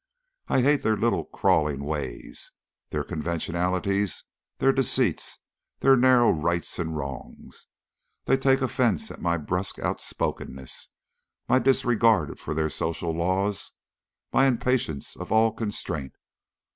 I hate their little crawling ways, their conventionalities, their deceits, their narrow rights and wrongs. They take offence at my brusque outspokenness, my disregard for their social laws, my impatience of all constraint.